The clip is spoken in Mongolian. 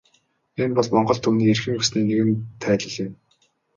Энэ бол монгол түмний эрхэм ёсны нэгэн тайлал юм.